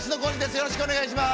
よろしくお願いします。